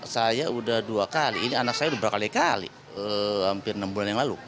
saya udah dua kali ini anak saya udah berkali kali hampir enam bulan yang lalu